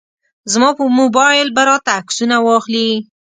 زما په موبایل به راته عکسونه واخلي.